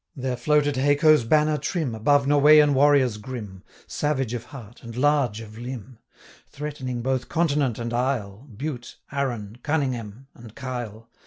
There floated Haco's banner trim, Above Norweyan warriors grim, 355 Savage of heart, and large of limb; Threatening both continent and isle, Bute, Arran, Cunninghame, and Kyle.